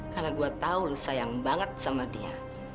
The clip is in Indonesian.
karena gua tahu lu sayang banget sama dia